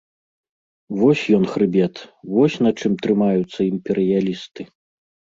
Вось ён хрыбет, вось на чым трымаюцца імперыялісты.